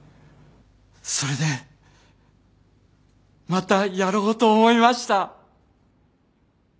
それでまたやろうと思いました。